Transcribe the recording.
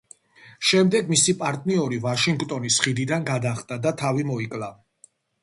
შემდეგ მისი პარტნიორი ვაშინგტონის ხიდიდან გადახტა და თავი მოიკლა.